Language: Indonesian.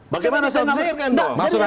bagaimana saya enggak menyebut nama